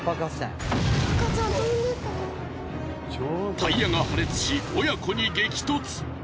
タイヤが破裂し親子に激突！